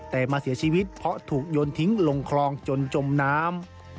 แต่มาเสียชีวิตเพราะถูกโยนทิ้งลงคลองจนจมน้ำ